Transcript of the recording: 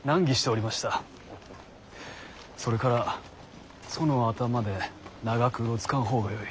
それからその頭で長くうろつかん方がよい。